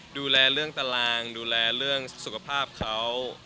ดูแลเรื่องตารางดูแลเรื่องสุขภาพเขา